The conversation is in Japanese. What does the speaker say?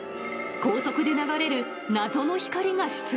高速で流れる謎の光が出現。